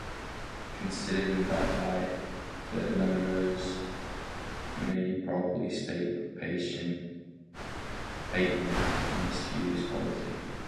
Considered in that light, the No-No's may properly state patent misuse policy.